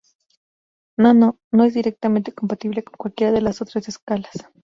Nano no es directamente compatible con cualquiera de las otras escalas.